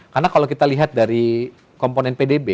karena kalau kita lihat dari komponen pdb